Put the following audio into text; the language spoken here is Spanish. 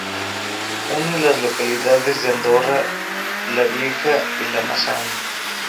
Une las localidades de Andorra la Vieja y La Massana.